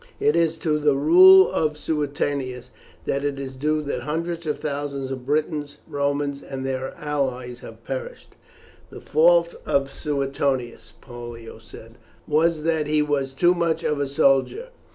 It is to the rule of Suetonius that it is due that hundreds of thousands of Britons, Romans, and their allies have perished." "The fault of Suetonius," Pollio said, "was that he was too much of a soldier.